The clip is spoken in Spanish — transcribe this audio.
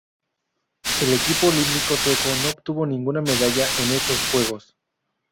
El equipo olímpico sueco no obtuvo ninguna medalla en estos Juegos.